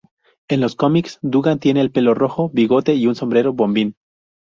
En los cómics, Dugan tiene el pelo rojo, bigote y un sombrero bombín.